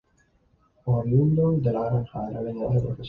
Oriundo de La Granja, era leñador de profesión.